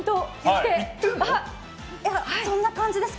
そんな感じですか？